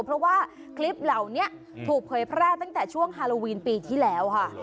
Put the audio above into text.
เพราะว่าคลิปเหล่านี้ถูกเผยแพร่ตั้งแต่ช่วงฮาโลวีนปีที่แล้วค่ะ